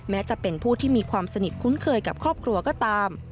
แม้จะเป็นผู้ที่มีความสนิทคุ้นเคยกับครอบครัวก็ตาม